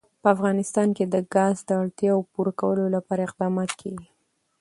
په افغانستان کې د ګاز د اړتیاوو پوره کولو لپاره اقدامات کېږي.